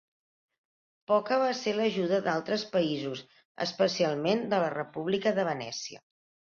Poca va ser l'ajuda d'altres països, especialment de la República de Venècia.